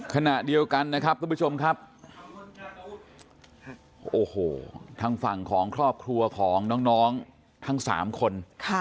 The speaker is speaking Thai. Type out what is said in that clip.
ขณะเดียวกันนะครับทุกผู้ชมครับโอ้โหทางฝั่งของครอบครัวของน้องทั้ง๓คน